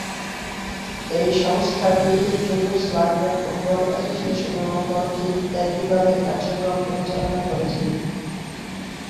এই সংস্থাটি Yugoslavia football অ্যাসোসিয়েশনের মতো ঠিক একইভাবে কার্যক্রম পরিচালনা করেছিল।